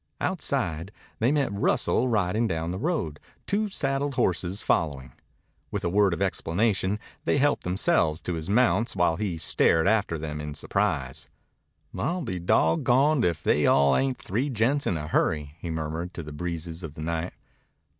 Outside, they met Russell riding down the road, two saddled horses following. With a word of explanation they helped themselves to his mounts while he stared after them in surprise. "I'll be dawggoned if they all ain't three gents in a hurry," he murmured to the breezes of the night.